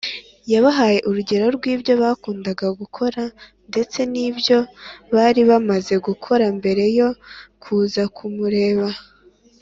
yabahaye urugero rw’ibyo bakundaga gukora, ndetse n’ibyo bari bamaze gukora mbere yo kuza kumureba